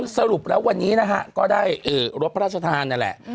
สรุปแล้ววันนี้นะฮะก็ได้รถพระราชทานนั่นแหละ